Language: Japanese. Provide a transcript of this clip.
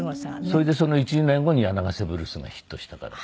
それでその１２年後に『柳ヶ瀬ブルース』がヒットしたから。